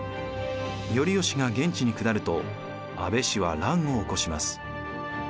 頼義が現地に下ると安倍氏は乱を起こします。